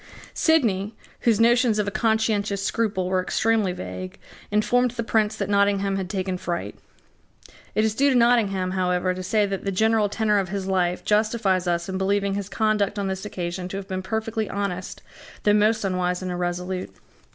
Sidney, whose notions of a conscientious scruple were extremely vague, informed the Prince that Nottingham had taken fright. It is due to Nottingham, however, to say that the general tenor of his life justifies us in believing his conduct on this occasion to have been perfectly honest, though most unwise and irresolute.